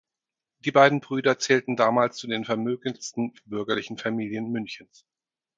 Die beiden Brüder zählten damals zu den vermögendsten bürgerlichen Familien Münchens.